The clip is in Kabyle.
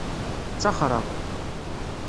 Ttaxreɣ.